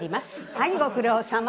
はいご苦労さま。